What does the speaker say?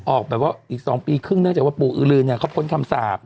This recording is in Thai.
ออกแบบว่าอีก๒ปีครึ่งเนื่องจากว่าปู่อือลืนเนี่ยเขาพ้นคำสาป